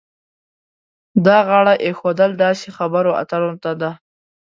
دا غاړه ایښودل داسې خبرو اترو ته ده.